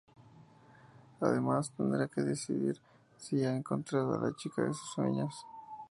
Además, tendrá que decidir si ha encontrado a la chica de sus sueños.